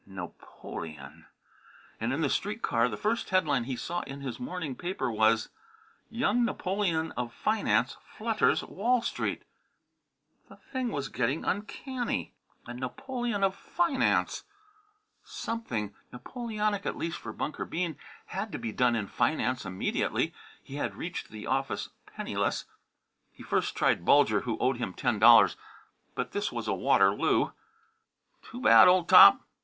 Napoleon! And in the street car the first headline he saw in his morning paper was, "Young Napoleon of Finance Flutters Wall Street!" The thing was getting uncanny. [Illustration: It was a friendly young face he saw there, but troubled] A Napoleon of Finance! Something, Napoleonic at least for Bunker Bean, had to be done in finance immediately. He had reached the office penniless. He first tried Bulger, who owed him ten dollars. But this was a Waterloo. "Too bad, old top!"